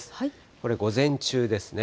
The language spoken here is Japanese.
これ午前中ですね。